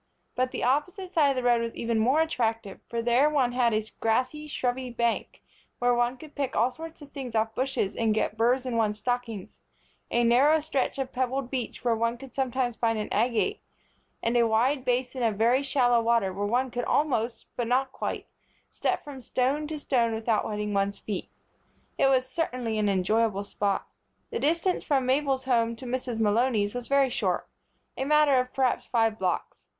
But the opposite side of the road was even more attractive, for there one had a grassy, shrubby bank where one could pick all sorts of things off bushes and get burrs in one's stockings; a narrow stretch of pebbled beach where one could sometimes find an agate, and a wide basin of very shallow water where one could almost but not quite step from stone to stone without wetting one's feet. It was certainly an enjoyable spot. The distance from Mabel's home to Mrs. Malony's was very short a matter of perhaps five blocks.